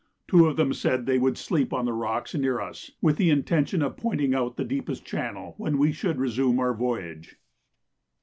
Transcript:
Two of them said they would sleep on the rocks near us, with the intention of pointing out the deepest channel when we should resume our voyage.